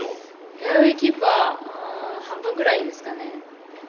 フェアウェーキープは半分ぐらいですかね。